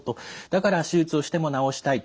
だから手術をしても治したい。